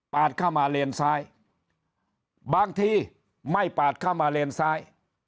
เข้ามาเลนซ้ายบางทีไม่ปาดเข้ามาเลนซ้าย